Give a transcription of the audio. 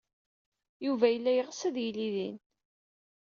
Yuba yella yeɣs ad yili din.